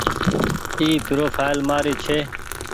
اي پروڦآئل مآري ڇي۔